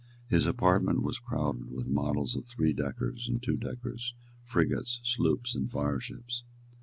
His apartment was crowded with models of three deckers and two deckers, frigates, sloops and fireships.